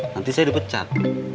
nanti saya dipecat